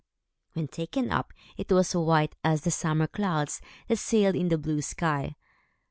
When taken up, it was white as the summer clouds that sailed in the blue sky.